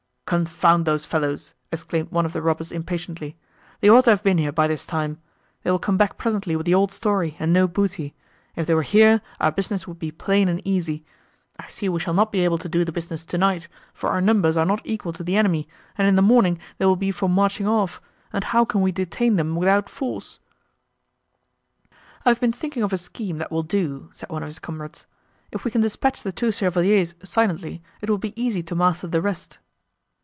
"Confound those fellows," exclaimed one of the robbers impatiently, "they ought to have been here by this time; they will come back presently with the old story, and no booty: if they were here, our business would be plain and easy. I see we shall not be able to do the business tonight, for our numbers are not equal to the enemy, and in the morning they will be for marching off, and how can we detain them without force?" "I have been thinking of a scheme, that will do," said one of his comrades: "if we can dispatch the two chevaliers silently, it will be easy to master the rest."